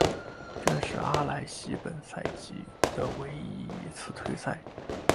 这是阿莱西本赛季的唯一一次退赛。